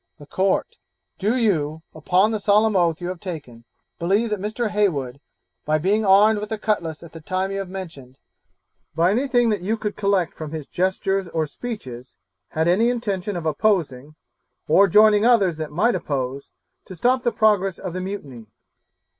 The Court 'Do you, upon the solemn oath you have taken, believe that Mr. Heywood, by being armed with a cutlass at the time you have mentioned, by anything that you could collect from his gestures or speeches, had any intention of opposing, or joining others that might oppose, to stop the progress of the mutiny?'